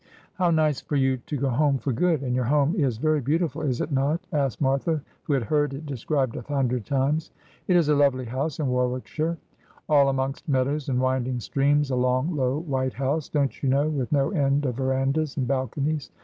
' How nice for you to go home for good ! And your home is very beautiful, is it not ?' asked Martha, who had heard it de scribed a hundred times. ' It is a lovely house in Warwickshire, all amongst meadows and winding streams — a long, low, white house, don't you know, with no end of verandahs and balconies.